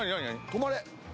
止まれ？